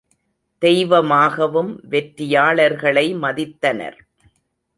தெய்வமாகவும் வெற்றியாளர்களை மதித்தனர்.